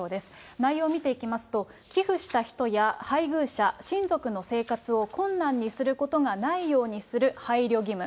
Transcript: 内容見ていきますと、寄付した人や配偶者、親族の生活を困難にすることがないようにする配慮義務。